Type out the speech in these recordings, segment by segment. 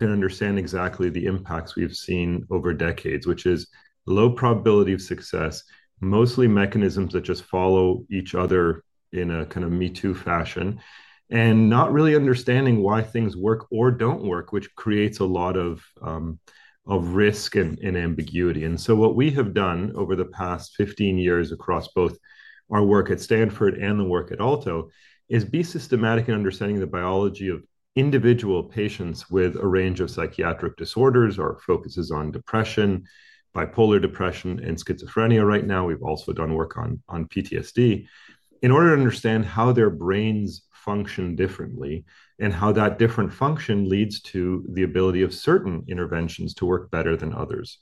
Can understand exactly the impacts we've seen over decades, which is low probability of success, mostly mechanisms that just follow each other in a kind of me-too fashion, and not really understanding why things work or don't work, which creates a lot of risk and ambiguity. What we have done over the past 15 years across both our work at Stanford and the work at Alto is be systematic in understanding the biology of individual patients with a range of psychiatric disorders or focuses on depression, bipolar depression, and schizophrenia. Right now, we've also done work on PTSD in order to understand how their brains function differently and how that different function leads to the ability of certain interventions to work better than others.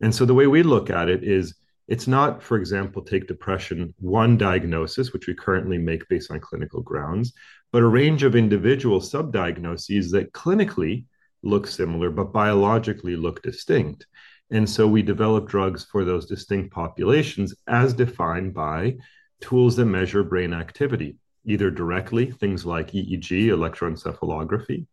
The way we look at it is it's not, for example, take depression, one diagnosis, which we currently make based on clinical grounds, but a range of individual sub-diagnoses that clinically look similar but biologically look distinct. We develop drugs for those distinct populations as defined by tools that measure brain activity, either directly, things like EEG, electroencephalography,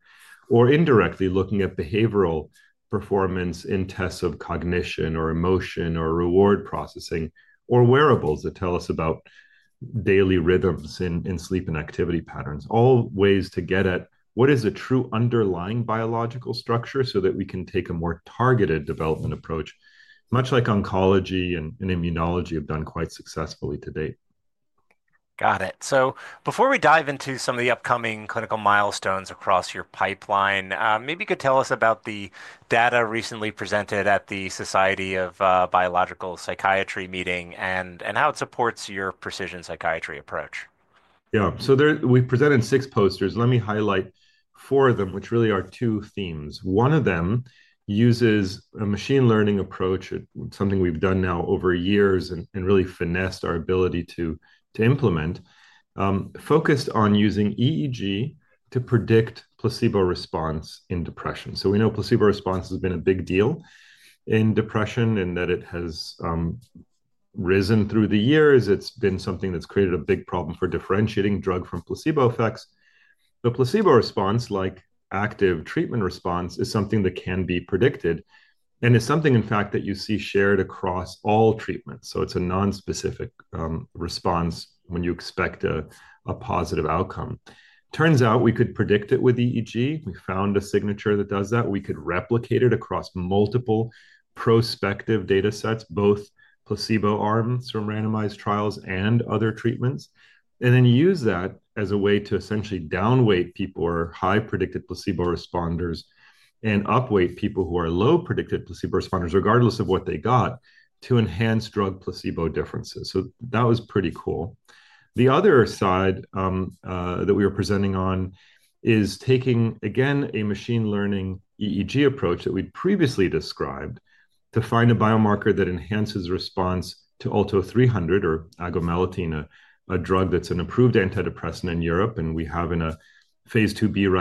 or indirectly looking at behavioral performance in tests of cognition or emotion or reward processing or wearables that tell us about daily rhythms in sleep and activity patterns, all ways to get at what is a true underlying biological structure so that we can take a more targeted development approach, much like oncology and immunology have done quite successfully to date. Got it. Before we dive into some of the upcoming clinical milestones across your pipeline, maybe you could tell us about the data recently presented at the Society of Biological Psychiatry meeting and how it supports your precision psychiatry approach. Yeah. So we presented six posters. Let me highlight four of them, which really are two themes. One of them uses a machine learning approach, something we've done now over years and really finessed our ability to implement, focused on using EEG to predict placebo response in depression. We know placebo response has been a big deal in depression and that it has risen through the years. It's been something that's created a big problem for differentiating drug from placebo effects. The placebo response, like active treatment response, is something that can be predicted and is something, in fact, that you see shared across all treatments. It's a nonspecific response when you expect a positive outcome. Turns out we could predict it with EEG. We found a signature that does that. We could replicate it across multiple prospective data sets, both placebo-armed from randomized trials and other treatments, and then use that as a way to essentially downweight people who are high predicted placebo responders and upweight people who are low predicted placebo responders, regardless of what they got, to enhance drug placebo differences. That was pretty cool. The other side that we were presenting on is taking, again, a machine learning EEG approach that we'd previously described to find a biomarker that enhances response to ALTO-300 or agomelatine, a drug that's an approved antidepressant in Europe, and we have in a phase 2b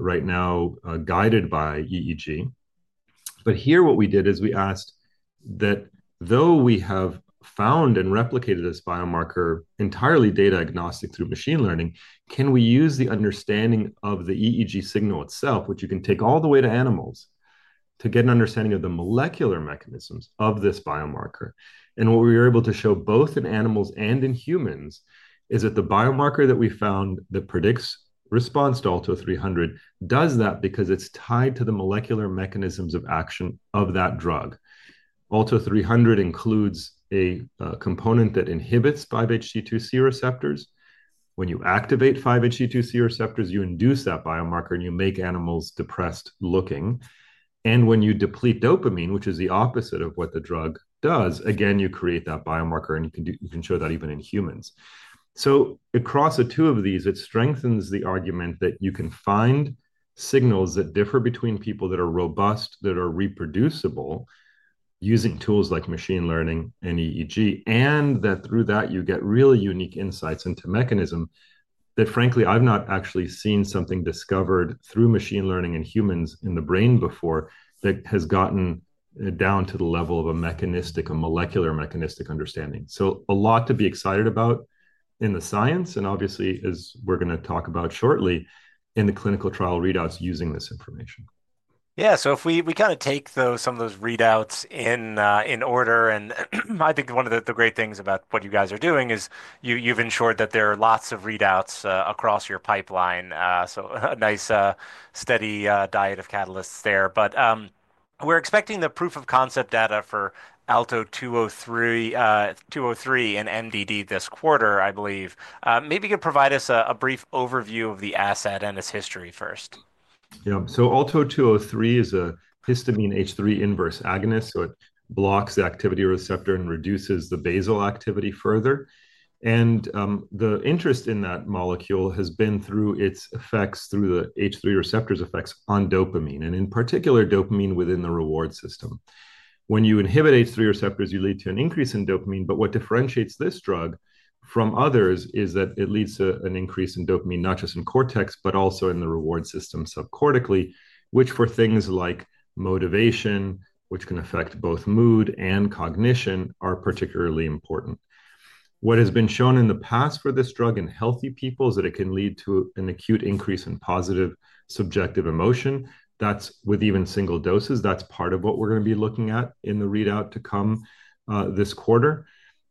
right now guided by EEG. What we did is we asked that though we have found and replicated this biomarker entirely data agnostic through machine learning, can we use the understanding of the EEG signal itself, which you can take all the way to animals, to get an understanding of the molecular mechanisms of this biomarker? What we were able to show both in animals and in humans is that the biomarker that we found that predicts response to ALTO-300 does that because it's tied to the molecular mechanisms of action of that drug. ALTO-300 includes a component that inhibits 5-HT2C receptors. When you activate 5-HT2C receptors, you induce that biomarker and you make animals depressed looking. When you deplete dopamine, which is the opposite of what the drug does, again, you create that biomarker and you can show that even in humans. Across the two of these, it strengthens the argument that you can find signals that differ between people that are robust, that are reproducible using tools like machine learning and EEG, and that through that you get really unique insights into mechanism that, frankly, I've not actually seen something discovered through machine learning in humans in the brain before that has gotten down to the level of a mechanistic, a molecular mechanistic understanding. A lot to be excited about in the science and obviously, as we're going to talk about shortly, in the clinical trial readouts using this information. Yeah. If we kind of take some of those readouts in order, I think one of the great things about what you guys are doing is you've ensured that there are lots of readouts across your pipeline. A nice steady diet of catalysts there. We're expecting the proof of concept data for ALTO-203 in MDD this quarter, I believe. Maybe you could provide us a brief overview of the asset and its history first. Yeah. Alto-203 is a histamine H3 inverse agonist. It blocks the activity receptor and reduces the basal activity further. The interest in that molecule has been through its effects, through the H3 receptors' effects on dopamine, and in particular, dopamine within the reward system. When you inhibit H3 receptors, you lead to an increase in dopamine. What differentiates this drug from others is that it leads to an increase in dopamine not just in cortex, but also in the reward system subcortically, which for things like motivation, which can affect both mood and cognition, are particularly important. What has been shown in the past for this drug in healthy people is that it can lead to an acute increase in positive subjective emotion. That is with even single doses. That is part of what we are going to be looking at in the readout to come this quarter.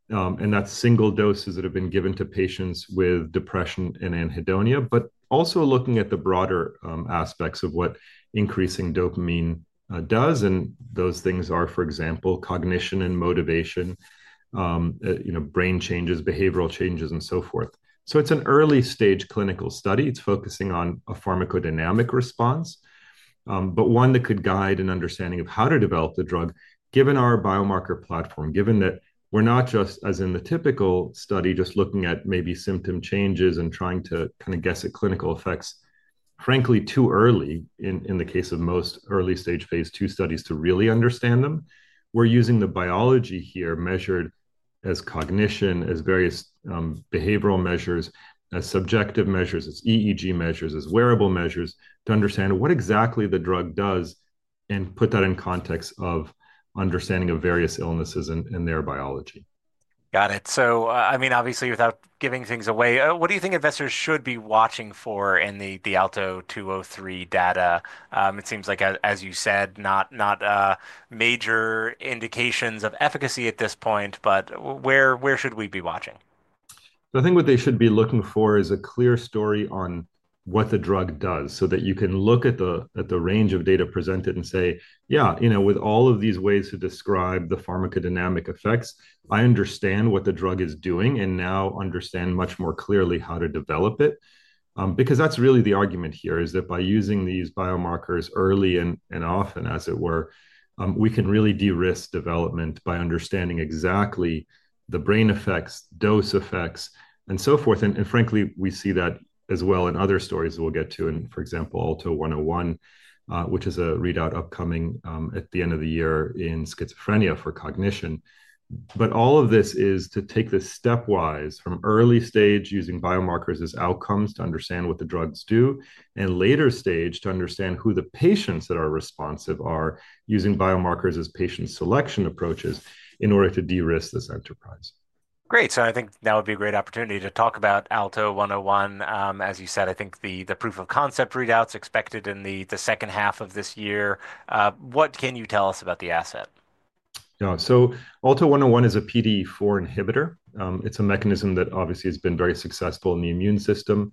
That is single doses that have been given to patients with depression and anhedonia, but also looking at the broader aspects of what increasing dopamine does. Those things are, for example, cognition and motivation, brain changes, behavioral changes, and so forth. It is an early stage clinical study. It is focusing on a pharmacodynamic response, but one that could guide an understanding of how to develop the drug, given our biomarker platform, given that we are not just, as in the typical study, just looking at maybe symptom changes and trying to kind of guess at clinical effects, frankly, too early in the case of most early stage phase 2 studies to really understand them. We're using the biology here measured as cognition, as various behavioral measures, as subjective measures, as EEG measures, as wearable measures to understand what exactly the drug does and put that in context of understanding of various illnesses and their biology. Got it. I mean, obviously, without giving things away, what do you think investors should be watching for in the ALTO-203 data? It seems like, as you said, not major indications of efficacy at this point, but where should we be watching? I think what they should be looking for is a clear story on what the drug does so that you can look at the range of data presented and say, "Yeah, you know, with all of these ways to describe the pharmacodynamic effects, I understand what the drug is doing and now understand much more clearly how to develop it." Because that's really the argument here is that by using these biomarkers early and often, as it were, we can really de-risk development by understanding exactly the brain effects, dose effects, and so forth. Frankly, we see that as well in other stories we'll get to, for example, ALTO-101, which is a readout upcoming at the end of the year in schizophrenia for cognition. All of this is to take this stepwise from early stage using biomarkers as outcomes to understand what the drugs do and later stage to understand who the patients that are responsive are using biomarkers as patient selection approaches in order to de-risk this enterprise. Great. I think that would be a great opportunity to talk about ALTO-101. As you said, I think the proof of concept readout is expected in the second half of this year. What can you tell us about the asset? Yeah. Alto 101 is a PDE4 inhibitor. It's a mechanism that obviously has been very successful in the immune system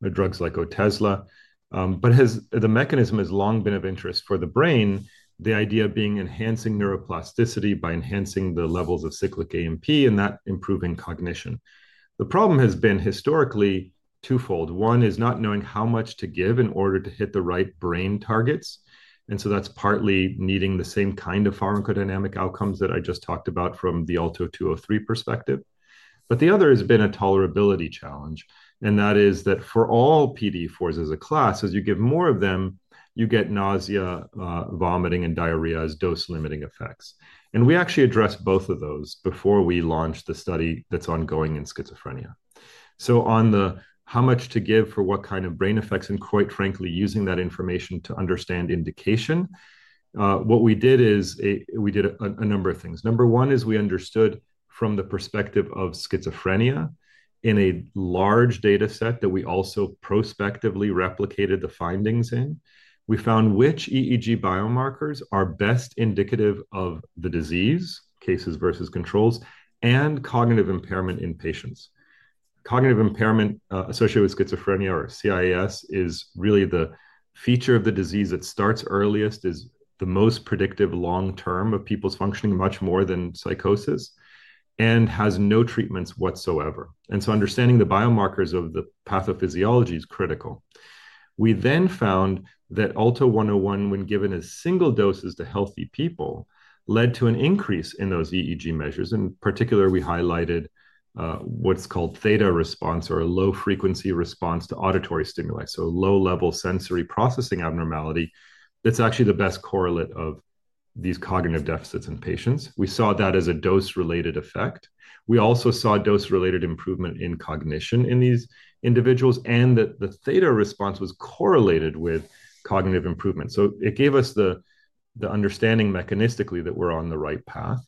with drugs like Otezla. The mechanism has long been of interest for the brain, the idea being enhancing neuroplasticity by enhancing the levels of cyclic AMP and that improving cognition. The problem has been historically twofold. One is not knowing how much to give in order to hit the right brain targets. That's partly needing the same kind of pharmacodynamic outcomes that I just talked about from the Alto 203 perspective. The other has been a tolerability challenge. That is that for all PDE4s as a class, as you give more of them, you get nausea, vomiting, and diarrhea as dose-limiting effects. We actually addressed both of those before we launched the study that's ongoing in schizophrenia. On the how much to give for what kind of brain effects and quite frankly, using that information to understand indication, what we did is we did a number of things. Number one is we understood from the perspective of schizophrenia in a large data set that we also prospectively replicated the findings in. We found which EEG biomarkers are best indicative of the disease, cases versus controls, and cognitive impairment in patients. Cognitive impairment associated with schizophrenia or CIAS is really the feature of the disease that starts earliest, is the most predictive long-term of people's functioning much more than psychosis and has no treatments whatsoever. Understanding the biomarkers of the pathophysiology is critical. We then found that ALTO-101, when given as single doses to healthy people, led to an increase in those EEG measures. In particular, we highlighted what's called theta response or a low-frequency response to auditory stimuli, so low-level sensory processing abnormality. That's actually the best correlate of these cognitive deficits in patients. We saw that as a dose-related effect. We also saw dose-related improvement in cognition in these individuals and that the theta response was correlated with cognitive improvement. It gave us the understanding mechanistically that we're on the right path.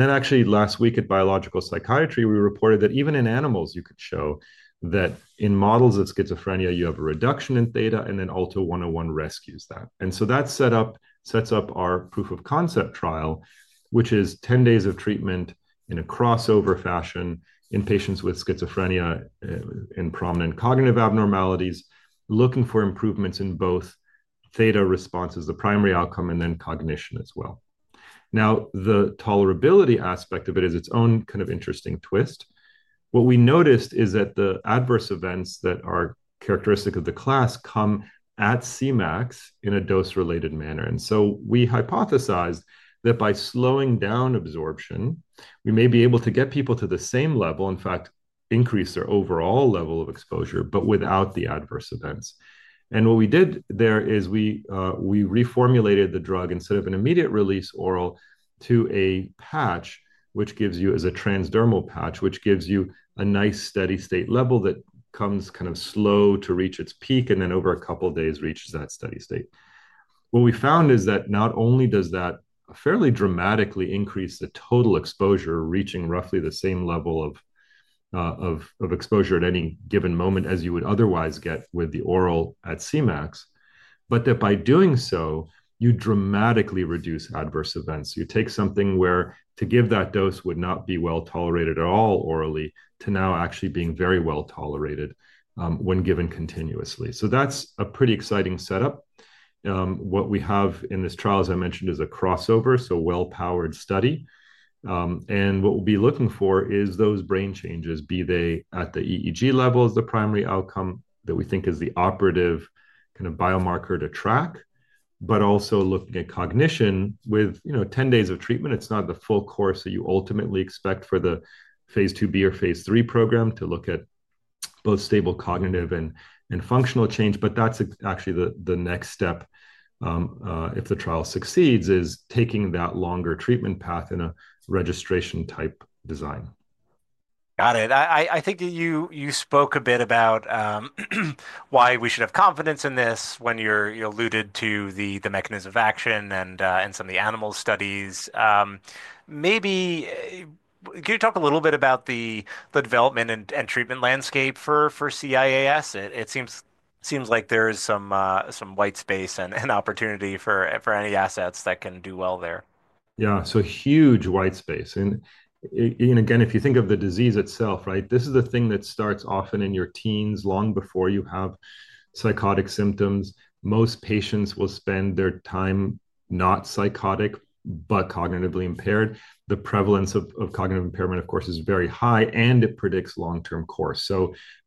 Actually, last week at Biological Psychiatry, we reported that even in animals, you could show that in models of schizophrenia, you have a reduction in theta and then ALTO-101 rescues that. That sets up our proof of concept trial, which is 10 days of treatment in a crossover fashion in patients with schizophrenia and prominent cognitive abnormalities, looking for improvements in both theta responses, the primary outcome, and then cognition as well. Now, the tolerability aspect of it is its own kind of interesting twist. What we noticed is that the adverse events that are characteristic of the class come at Cmax in a dose-related manner. We hypothesized that by slowing down absorption, we may be able to get people to the same level, in fact, increase their overall level of exposure, but without the adverse events. What we did there is we reformulated the drug instead of an immediate release oral to a patch, which gives you, as a transdermal patch, a nice steady state level that comes kind of slow to reach its peak and then over a couple of days reaches that steady state. What we found is that not only does that fairly dramatically increase the total exposure, reaching roughly the same level of exposure at any given moment as you would otherwise get with the oral at Cmax, but that by doing so, you dramatically reduce adverse events. You take something where to give that dose would not be well tolerated at all orally to now actually being very well tolerated when given continuously. That is a pretty exciting setup. What we have in this trial, as I mentioned, is a crossover, so well-powered study. What we will be looking for is those brain changes, be they at the EEG level as the primary outcome that we think is the operative kind of biomarker to track, but also looking at cognition with 10 days of treatment. It's not the full course that you ultimately expect for the phase 2b or phase 3 program to look at both stable cognitive and functional change. That's actually the next step if the trial succeeds, is taking that longer treatment path in a registration-type design. Got it. I think you spoke a bit about why we should have confidence in this when you alluded to the mechanism of action and some of the animal studies. Maybe can you talk a little bit about the development and treatment landscape for CIAS? It seems like there is some white space and opportunity for any assets that can do well there. Yeah. Huge white space. Again, if you think of the disease itself, right, this is the thing that starts often in your teens long before you have psychotic symptoms. Most patients will spend their time not psychotic, but cognitively impaired. The prevalence of cognitive impairment, of course, is very high and it predicts long-term course.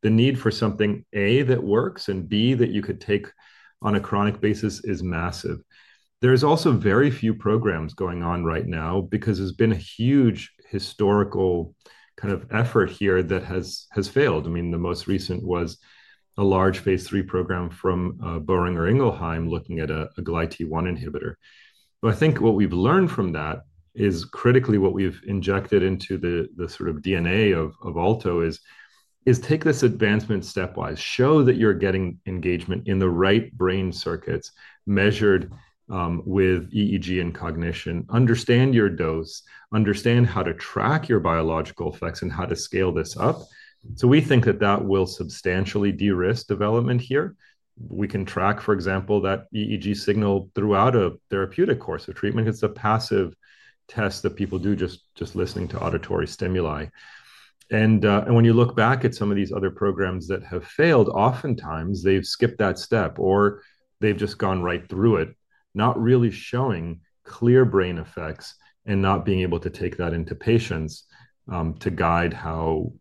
The need for something A that works and B that you could take on a chronic basis is massive. There's also very few programs going on right now because there's been a huge historical kind of effort here that has failed. I mean, the most recent was a large phase 3 program from Boehringer Ingelheim looking at a GlyT1 inhibitor. I think what we've learned from that is critically what we've injected into the sort of DNA of Alto is take this advancement stepwise, show that you're getting engagement in the right brain circuits measured with EEG and cognition, understand your dose, understand how to track your biological effects and how to scale this up. We think that that will substantially de-risk development here. We can track, for example, that EEG signal throughout a therapeutic course of treatment. It's a passive test that people do just listening to auditory stimuli. When you look back at some of these other programs that have failed, oftentimes they've skipped that step or they've just gone right through it, not really showing clear brain effects and not being able to take that into patients to guide how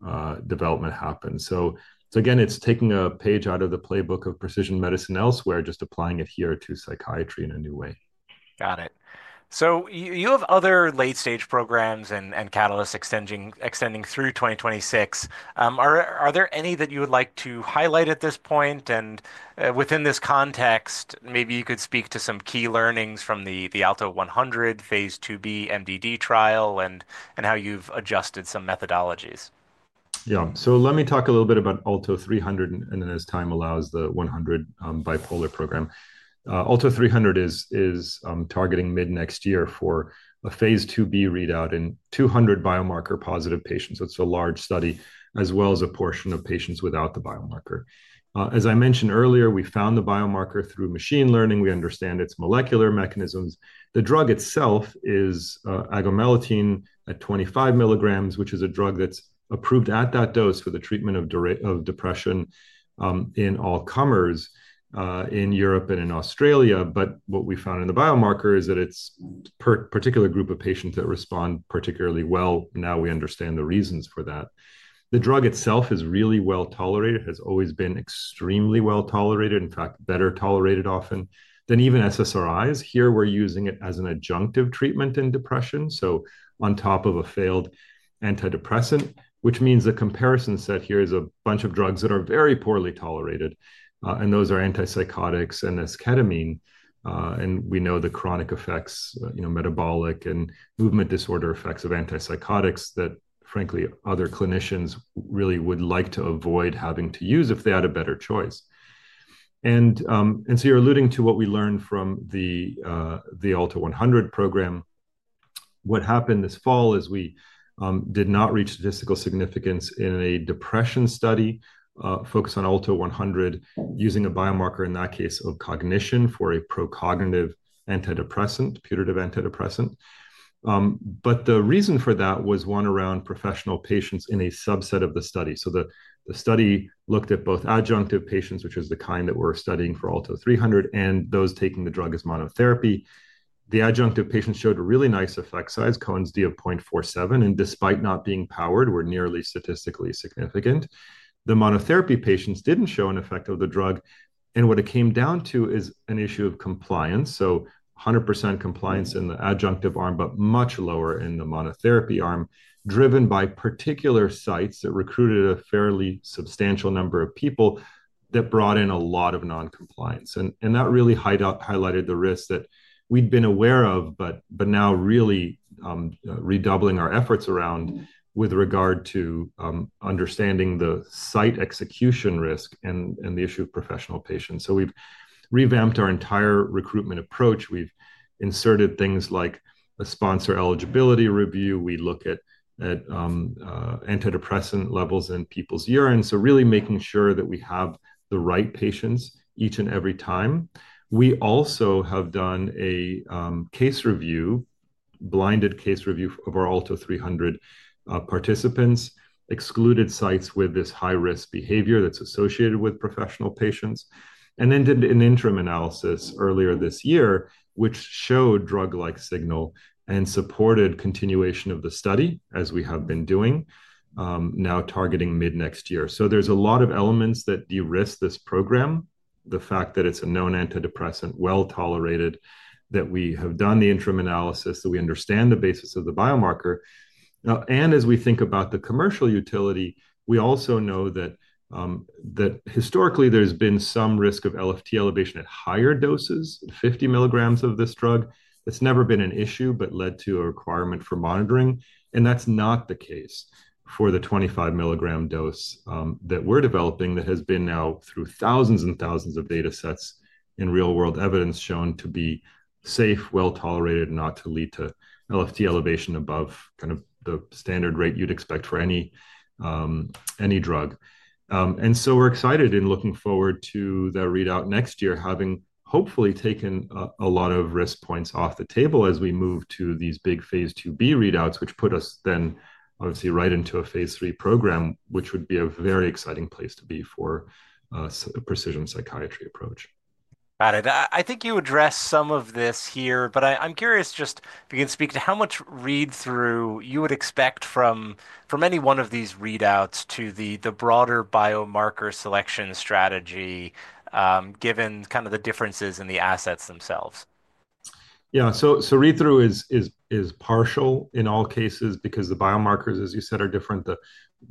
development happens. Again, it's taking a page out of the playbook of precision medicine elsewhere, just applying it here to psychiatry in a new way. Got it. You have other late-stage programs and catalysts extending through 2026. Are there any that you would like to highlight at this point? Within this context, maybe you could speak to some key learnings from the ALTO-100 phase 2b MDD trial and how you've adjusted some methodologies. Yeah. Let me talk a little bit about ALTO-300 and then, as time allows, the 100 bipolar program. ALTO-300 is targeting mid-next year for a phase 2b readout in 200 biomarker-positive patients. It's a large study as well as a portion of patients without the biomarker. As I mentioned earlier, we found the biomarker through machine learning. We understand its molecular mechanisms. The drug itself is agomelatine at 25 milligrams, which is a drug that's approved at that dose for the treatment of depression in all comers in Europe and in Australia. What we found in the biomarker is that it's a particular group of patients that respond particularly well. Now we understand the reasons for that. The drug itself is really well tolerated. It has always been extremely well tolerated, in fact, better tolerated often than even SSRIs. Here, we're using it as an adjunctive treatment in depression, so on top of a failed antidepressant, which means the comparison set here is a bunch of drugs that are very poorly tolerated. Those are antipsychotics and esketamine. We know the chronic effects, metabolic and movement disorder effects of antipsychotics that, frankly, other clinicians really would like to avoid having to use if they had a better choice. You're alluding to what we learned from the ALTO-100 program. What happened this fall is we did not reach statistical significance in a depression study focused on ALTO-100 using a biomarker in that case of cognition for a pro-cognitive antidepressant, putative antidepressant. The reason for that was one around professional patients in a subset of the study. The study looked at both adjunctive patients, which is the kind that we're studying for ALTO-300, and those taking the drug as monotherapy. The adjunctive patients showed a really nice effect size, Cohen's d of 0.47. Despite not being powered, we were nearly statistically significant. The monotherapy patients didn't show an effect of the drug. What it came down to is an issue of compliance, so 100% compliance in the adjunctive arm, but much lower in the monotherapy arm, driven by particular sites that recruited a fairly substantial number of people that brought in a lot of non-compliance. That really highlighted the risk that we'd been aware of, but now really redoubling our efforts around with regard to understanding the site execution risk and the issue of professional patients. We've revamped our entire recruitment approach. We've inserted things like a sponsor eligibility review. We look at antidepressant levels in people's urine. Really making sure that we have the right patients each and every time. We also have done a case review, blinded case review of our ALTO-300 participants, excluded sites with this high-risk behavior that's associated with professional patients. Did an interim analysis earlier this year, which showed drug-like signal and supported continuation of the study as we have been doing, now targeting mid-next year. There are a lot of elements that de-risk this program, the fact that it's a known antidepressant, well tolerated, that we have done the interim analysis, that we understand the basis of the biomarker. As we think about the commercial utility, we also know that historically there's been some risk of LFT elevation at higher doses, 50 milligrams of this drug. It's never been an issue, but led to a requirement for monitoring. That is not the case for the 25 milligram dose that we are developing that has been now through thousands and thousands of data sets in real-world evidence shown to be safe, well tolerated, not to lead to LFT elevation above kind of the standard rate you would expect for any drug. We are excited and looking forward to that readout next year, having hopefully taken a lot of risk points off the table as we move to these big phase 2b readouts, which put us then obviously right into a phase 3 program, which would be a very exciting place to be for a precision psychiatry approach. Got it. I think you addressed some of this here, but I'm curious just if you can speak to how much read-through you would expect from any one of these readouts to the broader biomarker selection strategy given kind of the differences in the assets themselves. Yeah. Read-through is partial in all cases because the biomarkers, as you said, are different.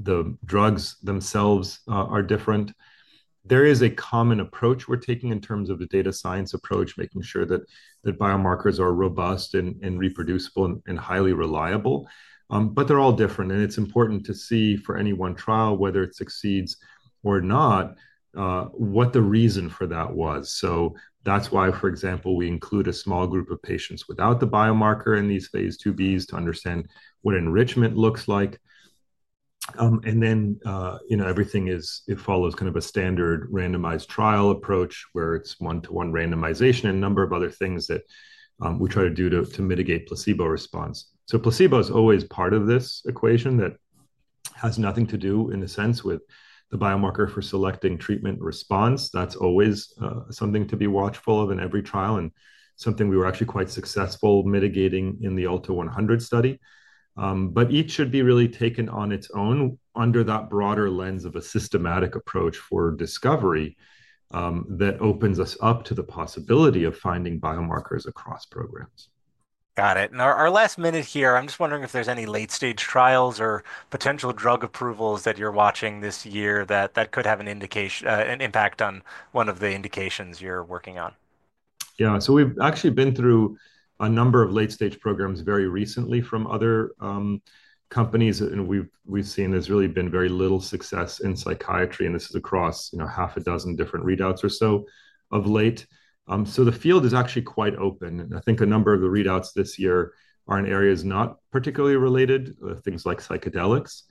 The drugs themselves are different. There is a common approach we're taking in terms of the data science approach, making sure that biomarkers are robust and reproducible and highly reliable. They are all different. It is important to see for any one trial, whether it succeeds or not, what the reason for that was. That is why, for example, we include a small group of patients without the biomarker in these phase 2Bs to understand what enrichment looks like. Everything follows kind of a standard randomized trial approach where it is one-to-one randomization and a number of other things that we try to do to mitigate placebo response. Placebo is always part of this equation that has nothing to do in a sense with the biomarker for selecting treatment response. That's always something to be watchful of in every trial and something we were actually quite successful mitigating in the ALTO-100 study. Each should be really taken on its own under that broader lens of a systematic approach for discovery that opens us up to the possibility of finding biomarkers across programs. Got it. In our last minute here, I'm just wondering if there's any late-stage trials or potential drug approvals that you're watching this year that could have an impact on one of the indications you're working on. Yeah. So we've actually been through a number of late-stage programs very recently from other companies. We've seen there's really been very little success in psychiatry. This is across half a dozen different readouts or so of late. The field is actually quite open. I think a number of the readouts this year are in areas not particularly related, things like psychedelics,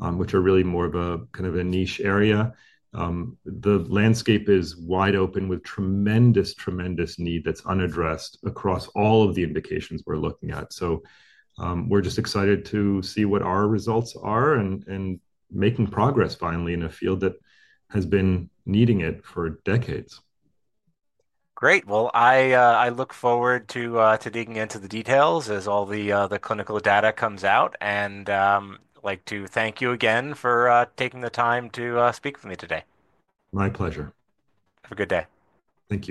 which are really more of a kind of a niche area. The landscape is wide open with tremendous, tremendous need that's unaddressed across all of the indications we're looking at. We're just excited to see what our results are and making progress finally in a field that has been needing it for decades. Great. I look forward to digging into the details as all the clinical data comes out. I would like to thank you again for taking the time to speak with me today. My pleasure. Have a good day. Thank you.